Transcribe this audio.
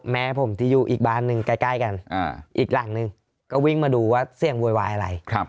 แม่ผมที่อยู่อีกบ้านหนึ่งใกล้กันอีกหลังนึงก็วิ่งมาดูว่าเสียงโวยวายอะไร